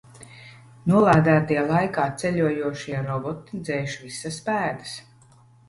Nolādētie laikā ceļojošie roboti dzēš visas pēdas.